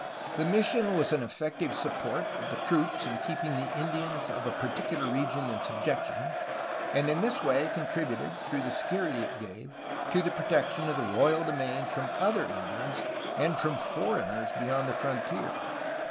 The mission was an effective support of the troops in keeping the Indians of a particular region in subjection, and in this way contributed, through the security it gave, to the protection of the royal domain from other Indians and from foreigners beyond the frontier.